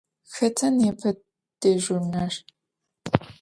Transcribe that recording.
Xeta nêpe dêjjurner?